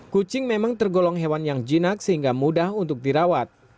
kucing memang tergolong hewan yang jinak sehingga mudah untuk dirawat